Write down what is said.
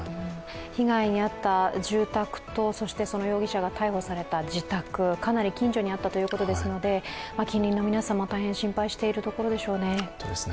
被害に遭った住宅と、その容疑者が逮捕された自宅、かなり近所にあったということですので近隣の皆様、大変心配しているところでしょうね。